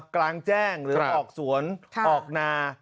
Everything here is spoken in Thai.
กลางแจ้งหรือออกสวนออกนา